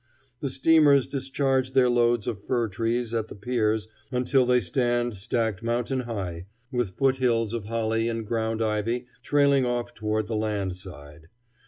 The steamers discharge their loads of fir trees at the piers until they stand stacked mountain high, with foot hills of holly and ground ivy trailing off toward the land side.